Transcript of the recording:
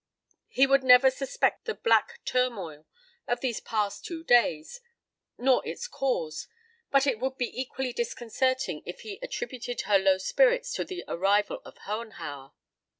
He would never suspect the black turmoil of these past two days, nor its cause, but it would be equally disconcerting if he attributed her low spirits to the arrival of Hohenhauer.